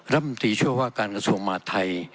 รับมัตติช่วยความอาการกระทรวงมาร์ทไทย